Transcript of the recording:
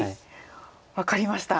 分かりました。